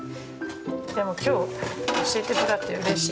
今日教えてもらってうれしい。